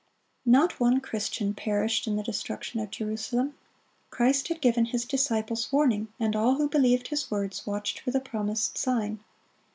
Not one Christian perished in the destruction of Jerusalem. Christ had given His disciples warning, and all who believed His words watched for the promised sign.